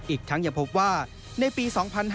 อีกทั้งยังพบว่าในปี๒๕๕๙